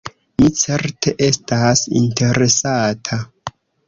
Mi certe estas interesata.